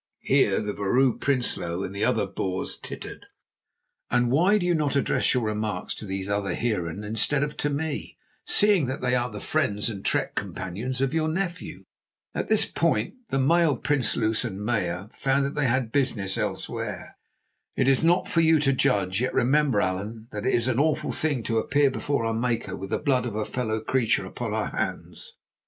(Here the Vrouw Prinsloo and the other Boers tittered.) "And why do you not address your remarks to these other heeren instead of to me, seeing that they are the friends and trek companions of your nephew?" At this point the male Prinsloos and Meyer found that they had business elsewhere. "It is for you to judge, yet remember, Allan, that it is an awful thing to appear before our Maker with the blood of a fellow creature upon our hands.